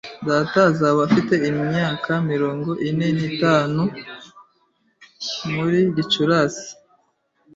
Data azaba afite imyaka mirongo ine n'itanu muri Gicurasi.